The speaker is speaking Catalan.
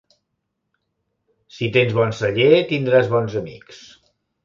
Si tens bon celler, tindràs bons amics.